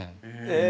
え